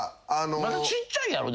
まだちっちゃいやろ？